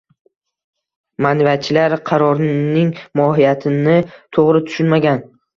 Ma’naviyatchilar qarorining mohiyatini to‘g‘ri tushunmagan.